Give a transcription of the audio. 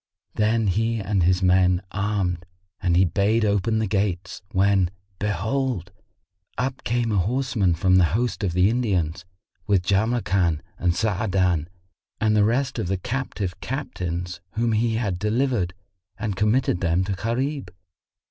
Then he and his men armed and he bade open the gates when, behold, up came a horseman from the host of the Indians, with Jamrkan and Sa'adan and the rest of the captive captains whom he had delivered, and committed them to Gharib.